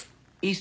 い